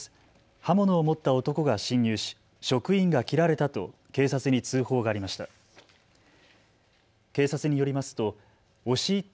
刃物を持った男が侵入し職員が切られたと警察に通報がありました。